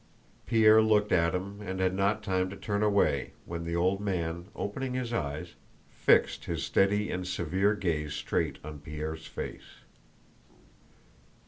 Pierre looked at him and had not time to turn away when the old man, opening his eyes, fixed his steady and severe gaze straight on Pierre's face.